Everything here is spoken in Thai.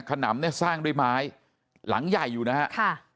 ขนำเนี่ยสร้างด้วยไม้หลังใหญ่อยู่นะฮะค่ะ